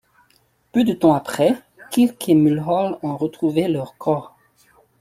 Peu de temps après, Kirk et Mullhall ont retrouvé leur corps.